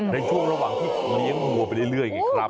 ในช่วงระหว่างที่เลี้ยงวัวไปเรื่อยไงครับ